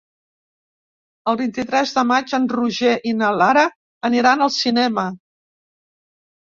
El vint-i-tres de maig en Roger i na Lara aniran al cinema.